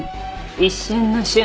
一瞬の「瞬」。